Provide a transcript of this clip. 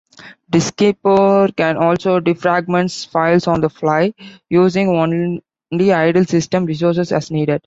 Diskeeper can also defragment files on-the-fly, using only idle system resources as needed.